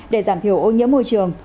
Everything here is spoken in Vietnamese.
để giảm thiểu ô nhiễm môi trường